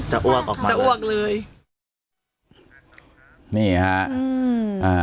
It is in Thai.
เชื่อความรู้สึกตกใจมั้ยตกใจค่ะเห็นบอกว่ามีจะอวกออกมาเลย